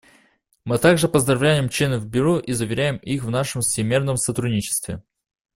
Мы также поздравляем членов Бюро и заверяем их в нашем всемерном сотрудничестве.